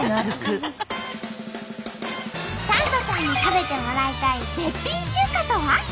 サンドさんに食べてもらいたい絶品中華とは？